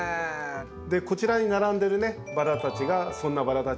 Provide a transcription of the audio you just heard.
こちらに並んでいるバラたちがそんなバラたちですね。